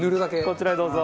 こちらへどうぞ。